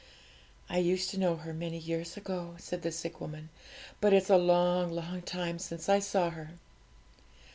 'I used to know her many years ago,' said the sick woman; 'but it's a long, long time since I saw her.'